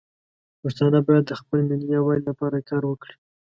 پښتانه باید د خپل ملي یووالي لپاره کار وکړي.